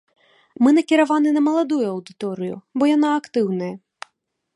Мы накіраваны на маладую аўдыторыю, бо яна актыўная.